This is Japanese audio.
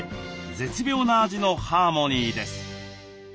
絶妙な味のハーモニーです。